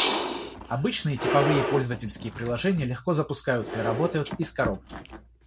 Обычные типовые пользовательские приложения легко запускаются и работают «из коробки»